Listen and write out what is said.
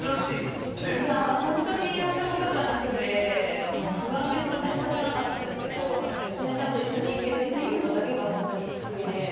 いやー、本当にやったことがなくて、不安で不安でしかたなかったんですけど、芳根ちゃんと一緒に行けるっていうのだけが、本当に救いで。